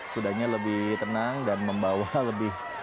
kudanya lebih tenang dan membawa lebih